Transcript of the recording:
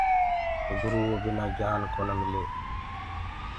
گُرو بنآ گيِان ڪونآ مِلي۔